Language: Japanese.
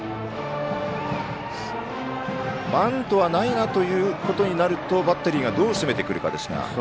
バントはないなとなるとバッテリーがどう攻めてくるか。